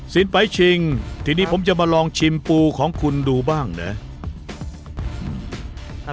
สินปั๊ยชิงทีนี้ผมจะมาลองชิมปูของคุณดูบ้างเนี่ย